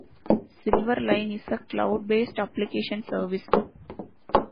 Silverline is a cloud-based application service.